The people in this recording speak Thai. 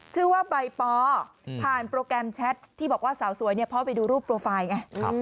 ชื่อว่าใบปอผ่านโปรแกรมแชทที่บอกว่าสาวสวยเนี่ยเพราะไปดูรูปโปรไฟล์ไง